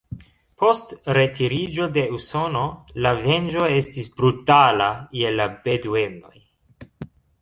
Post retiriĝo de Usono, la venĝo estis brutala je la beduenoj.